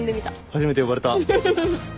初めて呼ばれた。